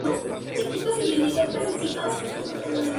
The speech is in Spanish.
Con sus vikingos resucitados, Hel marcha hacia el reino de Midgard.